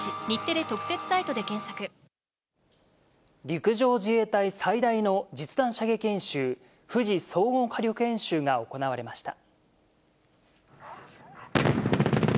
陸上自衛隊最大の実弾射撃演習、富士総合火力演習が行われました。